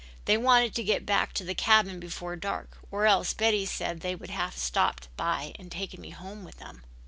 They wanted to get back to the cabin before dark or else Betty said they would have stopped by and taken me home with them."